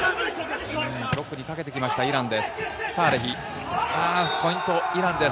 ブロックに手をかけてきましたイランです。